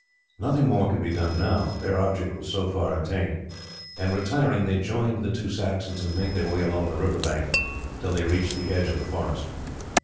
Nothing more could be done now their object was so far attained; and retiring they joined the two Saxons and made their way along the river bank till they reached the edge of the forest.